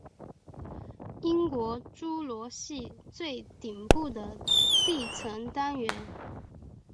英国侏罗系最顶部的地层单元。